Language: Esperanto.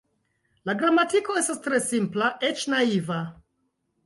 La gramatiko estas tre simpla, eĉ naiva.